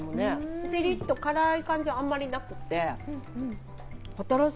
ピリッと辛い感じはあんまりなくて、新しい！